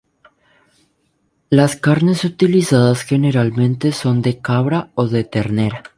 Las carnes utilizadas generalmente son de cabra o de ternera.